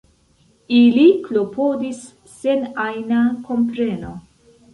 Ili klopodis sen ajna kompreno.